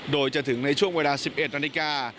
โดยจะถึงในช่วงเวลา๑๑นาฬิกา